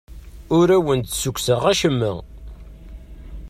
Ur awen-d-ssukkseɣ acemma.